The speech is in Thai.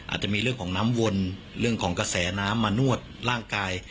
อาจจะมีเรื่องของน้ำวนเรื่องของกระแสน้ำมานวดร่างกาย